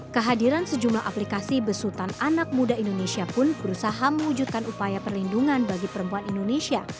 kehadiran sejumlah aplikasi besutan anak muda indonesia pun berusaha mewujudkan upaya perlindungan bagi perempuan indonesia